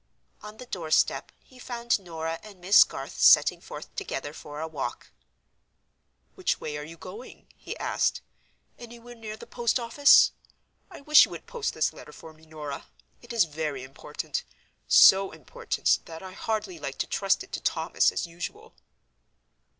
On the doorstep he found Norah and Miss Garth, setting forth together for a walk. "Which way are you going?" he asked. "Anywhere near the post office? I wish you would post this letter for me, Norah. It is very important—so important that I hardly like to trust it to Thomas, as usual."